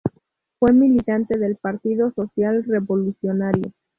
Fue militante del Partido Social-Revolucionario.